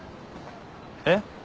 えっ？